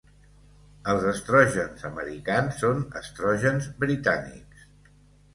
Els estrògens americans són estrògens britànics.